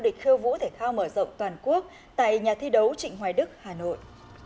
địch khơ vũ thể thao mở rộng toàn quốc tại nhà thi đấu trịnh hoài đức hà nội